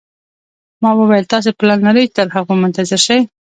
ما وویل: تاسي پلان لرئ چې تر هغو منتظر شئ.